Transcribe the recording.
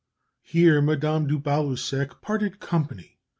Here Madame de Baluseck parted company.